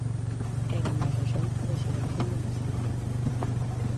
Era máis a xente da xeración de Maside.